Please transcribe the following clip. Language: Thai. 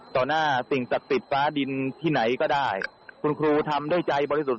ต่อหน้าสิ่งสักติดฟ้าดินที่ไหนก็ได้คุณครูทำด้วยใจบริสุทธิ์